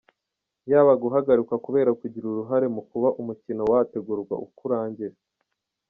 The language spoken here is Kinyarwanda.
Yaba guhagarikwa kubera kugira uruhare mu kuba umukino wategurwa uko urangira.